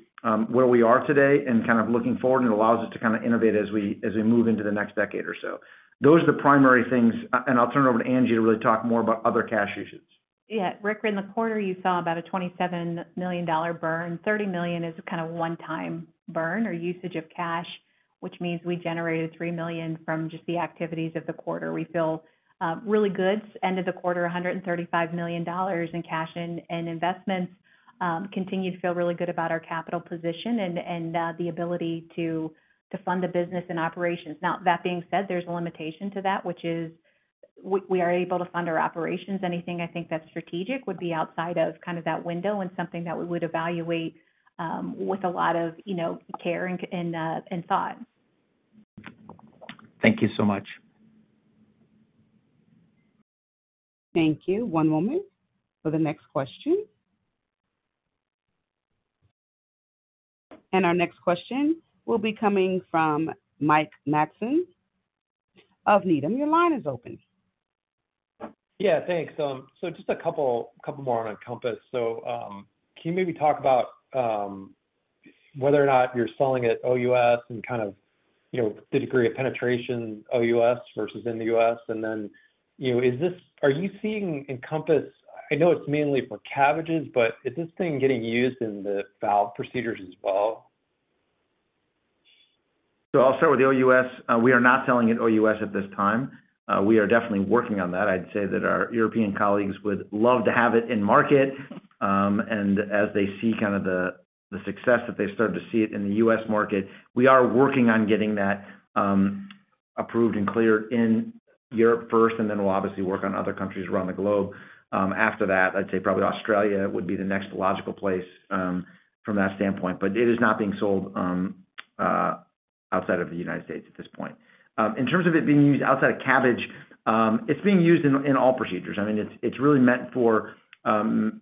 Speaker 3: where we are today and kind of looking forward, and it allows us to kind of innovate as we, as we move into the next decade or so. Those are the primary things. I'll turn it over to Angie to really talk more about other cash uses.
Speaker 4: Yeah, Rick, in the quarter, you saw about a $27 million burn. $30 million is a kind of one-time burn or usage of cash, which means we generated $3 million from just the activities of the quarter. We feel really good. End of the quarter, $135 million in cash and investments, continue to feel really good about our capital position and the ability to fund the business and operations. Now, that being said, there's a limitation to that, which is we are able to fund our operations. Anything I think that's strategic would be outside of kind of that window and something that we would evaluate, with a lot of, you know, care and thought.
Speaker 9: Thank you so much.
Speaker 1: Thank you. One moment for the next question. Our next question will be coming from Mike Matson of Needham. Your line is open.
Speaker 10: Yeah, thanks. Just a couple more on EnCompass. Can you maybe talk about whether or not you're selling it OUS and kind of, you know, the degree of penetration OUS versus in the US? You know, are you seeing EnCompass. I know it's mainly for CABGs, but is this thing getting used in the valve procedures as well?
Speaker 3: I'll start with the OUS. We are not selling it OUS at this time. We are definitely working on that. I'd say that our European colleagues would love to have it in market, and as they see kind of the success, that they start to see it in the US market, we are working on getting that approved and cleared in Europe first, and then we'll obviously work on other countries around the globe. After that, I'd say probably Australia would be the next logical place from that standpoint, but it is not being sold outside of the United States at this point. In terms of it being used outside of CABG, it's being used in all procedures. I mean, it's really meant for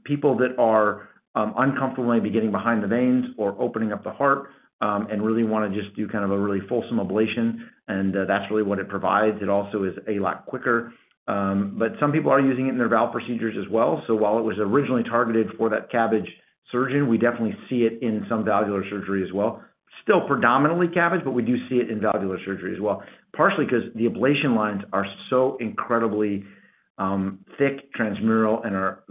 Speaker 3: people that are uncomfortable maybe getting behind the veins or opening up the heart, and really want to just do kind of a really fulsome ablation. That's really what it provides. It also is a lot quicker. Some people are using it in their valve procedures as well. While it was originally targeted for that CABG surgeon, we definitely see it in some valvular surgery as well. Still predominantly CABG, we do see it in valvular surgery as well. Partially because the ablation lines are so incredibly thick, transmural.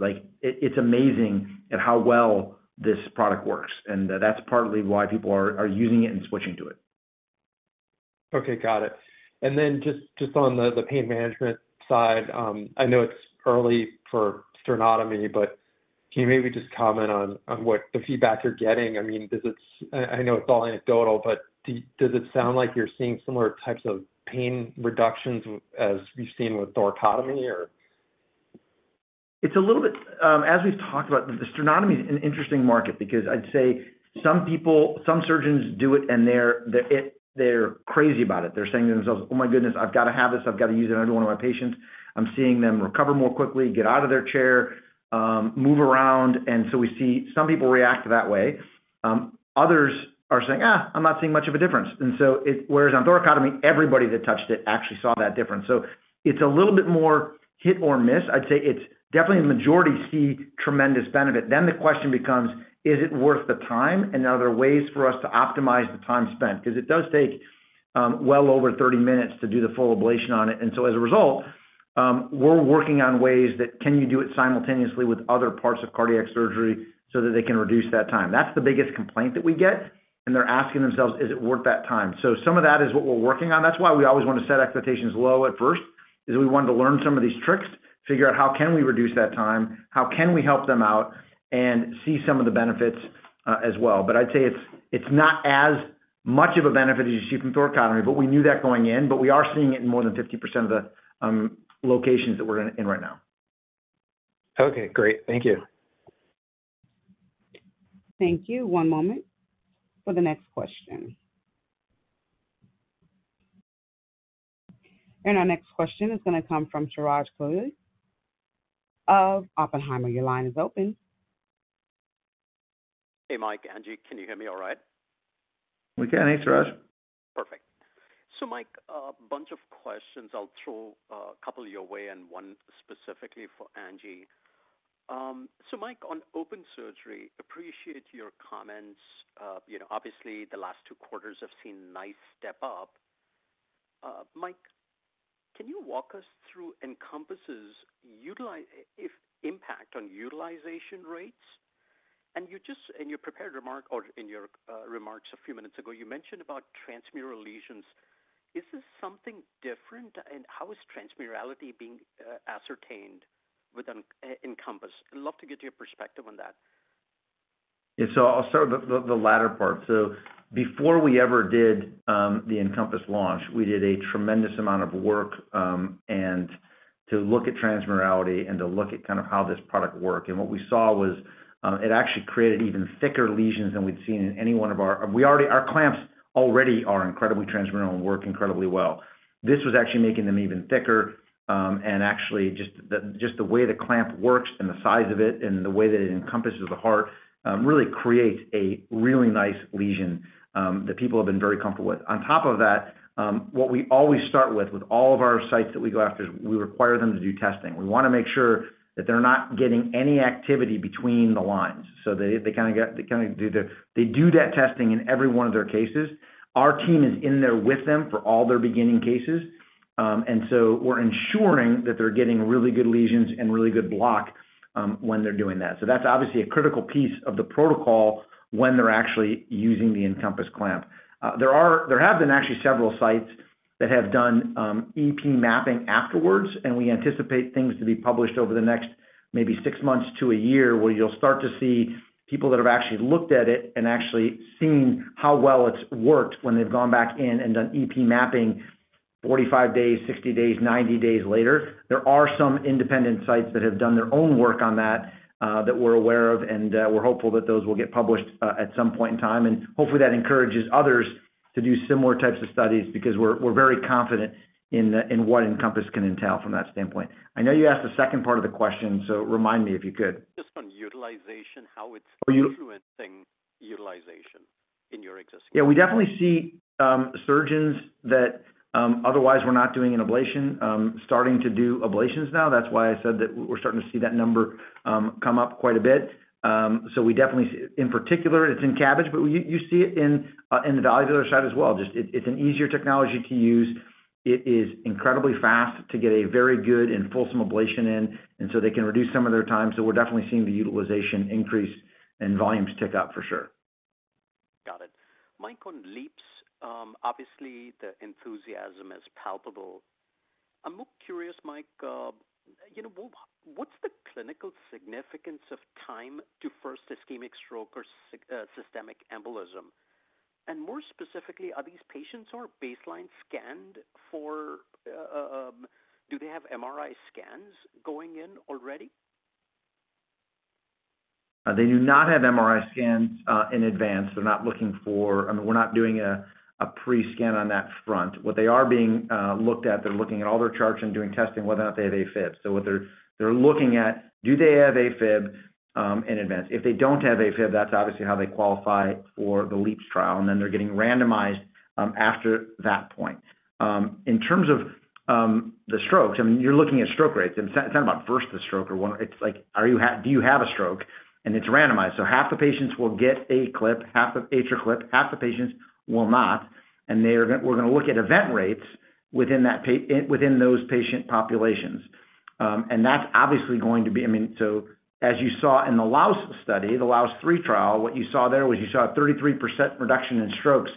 Speaker 3: It's amazing at how well this product works, and that's partly why people are using it and switching to it.
Speaker 10: Okay, got it. Then just on the pain management side, I know it's early for sternotomy, but can you maybe just comment on what the feedback you're getting? I mean, I know it's all anecdotal, but does it sound like you're seeing similar types of pain reductions as we've seen with thoracotomy or?
Speaker 3: It's a little bit, as we've talked about, the sternotomy is an interesting market because I'd say some people, some surgeons do it, and they're crazy about it. They're saying to themselves, "Oh, my goodness, I've got to have this. I've got to use it on every one of my patients. I'm seeing them recover more quickly, get out of their chair, move around." We see some people react that way. Others are saying, "I'm not seeing much of a difference." Whereas on thoracotomy, everybody that touched it actually saw that difference. It's a little bit more hit or miss. I'd say it's definitely the majority see tremendous benefit. The question becomes, is it worth the time? Are there ways for us to optimize the time spent? Because it does take, well over 30 minutes to do the full ablation on it. As a result, we're working on ways that can you do it simultaneously with other parts of cardiac surgery so that they can reduce that time? That's the biggest complaint that we get, and they're asking themselves: Is it worth that time? Some of that is what we're working on. That's why we always want to set expectations low at first, is we want to learn some of these tricks, figure out how can we reduce that time, how can we help them out, and see some of the benefits as well. I'd say it's not as much of a benefit as you see from thoracic surgery, but we knew that going in, but we are seeing it in more than 50% of the locations that we're in right now.
Speaker 7: Okay, great. Thank you.
Speaker 1: Thank you. One moment for the next question. Our next question is going to come from Suraj Kalia of Oppenheimer. Your line is open.
Speaker 11: Hey, Mike, Angie, can you hear me all right?
Speaker 3: We can hear you, Suraj.
Speaker 11: Perfect. Mike, a bunch of questions. I'll throw a couple of your way and one specifically for Angie. Mike, on open surgery, appreciate your comments. You know, obviously, the last two quarters have seen a nice step up. Mike, can you walk us through EnCompass's utili if impact on utilization rates? You just, in your prepared remark or in your remarks a few minutes ago, you mentioned about transmural lesions. Is this something different, and how is transmurality being ascertained with an EnCompass? I'd love to get your perspective on that.
Speaker 3: I'll start with the latter part. Before we ever did the EnCompass launch, we did a tremendous amount of work and to look at transmurality and to look at kind of how this product worked. What we saw was, it actually created even thicker lesions than we'd seen in any one of our clamps already are incredibly transmural and work incredibly well. This was actually making them even thicker, and actually just the way the clamp works and the size of it and the way that it encompasses the heart, really creates a really nice lesion that people have been very comfortable with. On top of that, what we always start with all of our sites that we go after, is we require them to do testing. We want to make sure that they're not getting any activity between the lines. They do that testing in every one of their cases. Our team is in there with them for all their beginning cases, and so we're ensuring that they're getting really good lesions and really good block when they're doing that. That's obviously a critical piece of the protocol when they're actually using the EnCompass clamp. There have been actually several sites that have done EP mapping afterwards, and we anticipate things to be published over the next maybe 6 months to 1 year, where you'll start to see people that have actually looked at it and actually seen how well it's worked when they've gone back in and done EP mapping 45 days, 60 days, 90 days later. There are some independent sites that have done their own work on that we're aware of, and we're hopeful that those will get published at some point in time. Hopefully, that encourages others to do similar types of studies because we're very confident in what EnCompass can entail from that standpoint. I know you asked the second part of the question, remind me if you could.
Speaker 11: Just on utilization, how it's.
Speaker 3: U-
Speaker 11: utilization in your existing?
Speaker 3: We definitely see surgeons that otherwise were not doing an ablation starting to do ablations now. That's why I said that we're starting to see that number come up quite a bit. We definitely, in particular, it's in CABG, but you see it in the valvular side as well. Just it's an easier technology to use. It is incredibly fast to get a very good and fulsome ablation in. They can reduce some of their time. We're definitely seeing the utilization increase and volumes tick up for sure.
Speaker 11: Got it. Mike, on LEAPS, obviously, the enthusiasm is palpable. I'm more curious, Mike, what's the clinical significance of time to first ischemic stroke or systemic embolism? More specifically, are these patients who are baseline scanned for, do they have MRI scans going in already?
Speaker 3: They do not have MRI scans in advance. They're not looking for. I mean, we're not doing a pre-scan on that front. What they are being looked at, they're looking at all their charts and doing testing, whether or not they have AFib. What they're looking at, do they have AFib in advance? If they don't have AFib, that's obviously how they qualify for the LEAPS trial, and then they're getting randomized after that point. In terms of the strokes, I mean, you're looking at stroke rates. It's not about first the stroke or what, it's like, do you have a stroke? It's randomized. Half the patients will get a clip, half an AtriClip, half the patients will not, and they are, we're going to look at event rates within those patient populations. That's obviously going to be, I mean, as you saw in the LAAOS study, the LAAOS III trial, what you saw there was you saw a 33% reduction in strokes,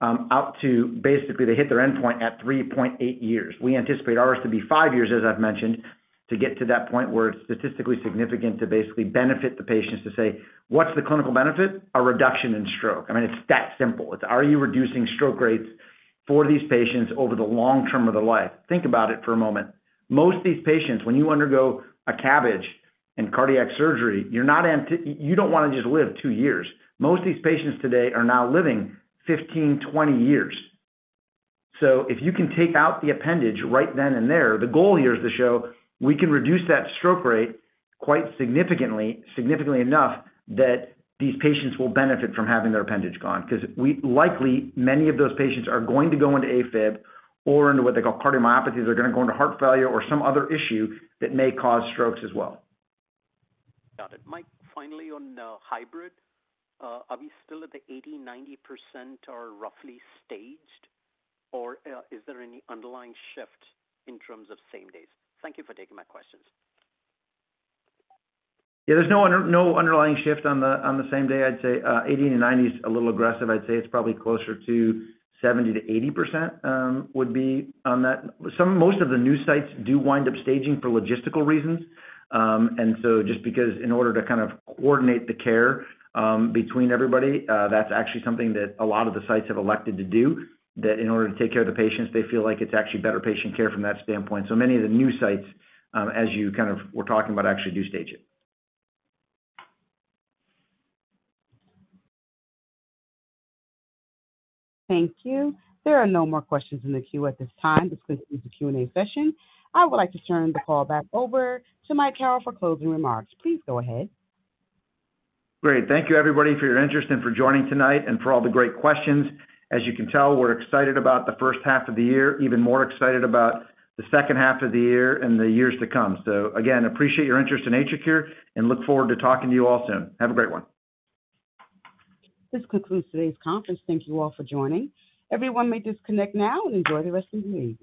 Speaker 3: up to basically, they hit their endpoint at 3.8 years. We anticipate ours to be 5 years, as I've mentioned, to get to that point where it's statistically significant to basically benefit the patients, to say: What's the clinical benefit? A reduction in stroke. I mean, it's that simple. It's, are you reducing stroke rates for these patients over the long term of their life? Think about it for a moment. Most of these patients, when you undergo a CABG and cardiac surgery, you don't want to just live two years. Most of these patients today are now living 15, 20 years. If you can take out the appendage right then and there, the goal here is to show we can reduce that stroke rate quite significantly enough that these patients will benefit from having their appendage gone. Likely, many of those patients are going to go into AFib or into what they call cardiomyopathies. They're going to go into heart failure or some other issue that may cause strokes as well.
Speaker 11: Got it. Mike, finally, on, Hybrid, are we still at the 80%-90% or roughly staged, or, is there any underlying shift in terms of same days? Thank you for taking my questions.
Speaker 3: Yeah, there's no underlying shift on the, on the same day. I'd say 80-90 is a little aggressive. I'd say it's probably closer to 70%-80% would be on that. Most of the new sites do wind up staging for logistical reasons. Just because in order to kind of coordinate the care between everybody, that's actually something that a lot of the sites have elected to do, that in order to take care of the patients, they feel like it's actually better patient care from that standpoint. Many of the new sites, as you kind of were talking about, actually do stage it.
Speaker 1: Thank you. There are no more questions in the queue at this time. This concludes the Q&A session. I would like to turn the call back over to Mike Carrel for closing remarks. Please go ahead.
Speaker 3: Great. Thank you, everybody, for your interest and for joining tonight and for all the great questions. As you can tell, we're excited about the first half of the year, even more excited about the second half of the year and the years to come. Again, appreciate your interest in AtriCure and look forward to talking to you all soon. Have a great one.
Speaker 1: This concludes today's conference. Thank you all for joining. Everyone may disconnect now and enjoy the rest of your evening.